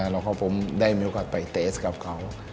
แล้วผมได้เป็นโอกาสไปเตสกับเขา